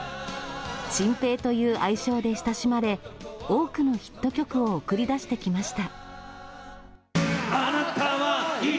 チンペイという愛称で親しまれ、多くのヒット曲を送り出してきました。